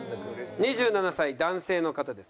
２７歳男性の方です。